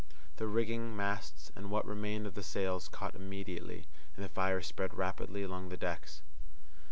The rigging, masts and what remained of the sails caught immediately, and the fire spread rapidly along the decks.